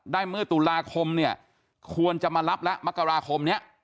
เมื่อตุลาคมเนี่ยควรจะมารับแล้วมกราคมนี้